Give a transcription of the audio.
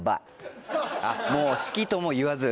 もう「好き」とも言わず？